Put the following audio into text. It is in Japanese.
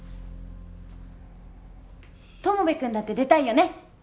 友部くんだって出たいよね？